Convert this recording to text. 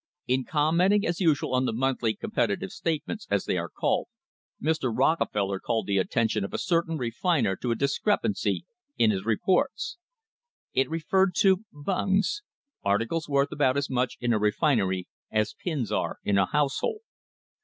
In commenting as usual on the monthly "competitive statements," as they are called, Mr. Rockefeller called the attention of a certain refiner to a discrepancy in his reports. It referred to bungs articles worth about as much in a refinery as pins are in a household.